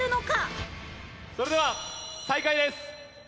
それでは再開です。